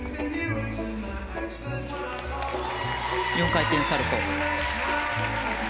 ４回転サルコウ。